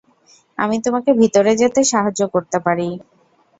আমি তোমাকে ভিতরে যেতে সাহায্য করতে পারি।